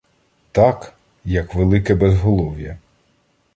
Так, як велике безголов'я